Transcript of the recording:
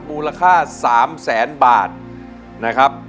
มูลค่า๓แสนบาทนะครับ